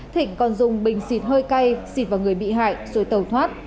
thịnh còn dùng bình xịt hơi cay xịt vào người bị hại rồi tàu thoát